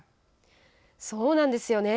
そうなんですよね。